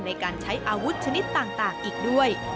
ในการใช้อาวุธชนิดต่างอีกด้วย